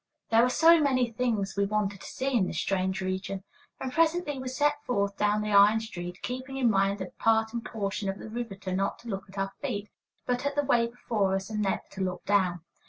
There were so many things we wanted to see in this strange region! And presently we set forth down the iron street, keeping in mind a parting caution of the riveter not to look at our feet, but at the way before us, and never to look down.